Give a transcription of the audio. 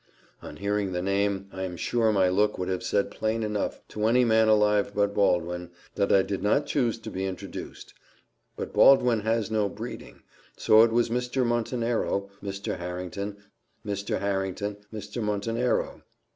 On hearing the name, I am sure my look would have said plain enough to any man alive but Baldwin, that I did not choose to be introduced; but Baldwin has no breeding: so it was Mr. Montenero, Mr. Harrington Mr. Harrington, Mr. Montenero.